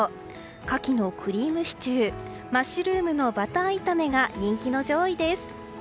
牡蠣のクリームシチューマッシュルームのバター炒めが人気の上位です。